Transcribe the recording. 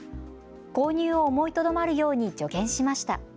購入を思いとどまるように助言しました。